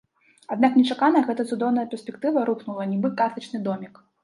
Аднак нечакана гэта цудоўная перспектыва рухнула нібы картачны домік.